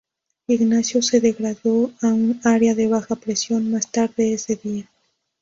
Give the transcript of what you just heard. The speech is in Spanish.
Ignacio se degradó a un área de baja presión más tarde ese día.